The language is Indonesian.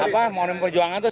pak r selamat sore